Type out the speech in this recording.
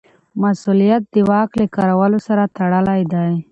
مسوولیت د واک له کارولو سره تړلی دی.